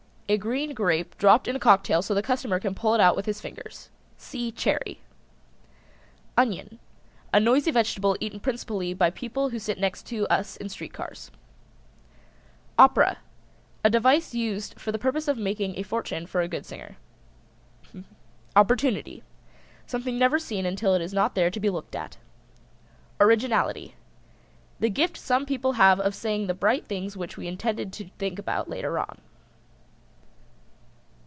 A green grape dropped in a cocktail so the customer can pull it out with his fingers. See Cherry. ONION. A noisy vegetable eaten principally by people who sit next to us in street cars. OPERA. A device used for the purpose of making a fortune for a good singer. OPPORTUNITY. Something never seen until it is not there to be looked at. ORIGINALITY. The gift some people have of saying the bright things which we intended to think about later on.